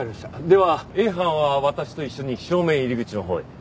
ではＡ班は私と一緒に正面入り口のほうへ。